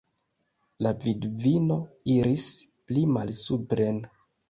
La vidvino iris pli malsupren.